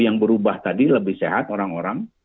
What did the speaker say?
yang berubah tadi lebih sehat orang orang